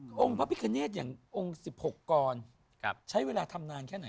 อ่ะแล้วองค์พระพิธีคระเนตอย่างองค์๑๖กรใช้เวลาทำนานแค่ไหนฮะ